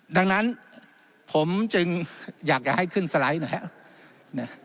ดังนั้นผมจึงอยากจะให้ขึ้นสไลด์นะครับ